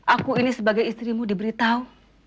aku ini sebagai istrimu diberitahu